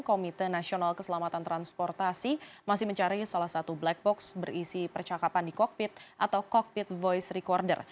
komite nasional keselamatan transportasi masih mencari salah satu black box berisi percakapan di kokpit atau cockpit voice recorder